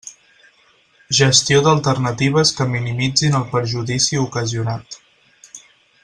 Gestió d'alternatives que minimitzin el perjudici ocasionat.